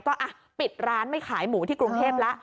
ก็ปิดร้านไม่ขายหมูที่กรุงเทพแล้ว